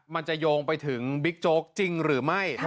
มันจะโยงไปถึงบิ๊กโจ๊กจริงหรือไม่